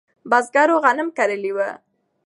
بزګرو غنم کرلی و.